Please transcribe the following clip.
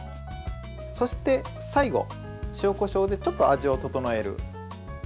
そして最後、塩、こしょうでちょっと味を調える。